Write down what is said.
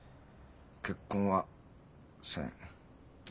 結婚はせん。